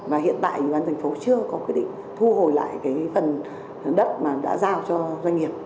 và hiện tại ủy ban thành phố chưa có quyết định thu hồi lại cái phần đất mà đã giao cho doanh nghiệp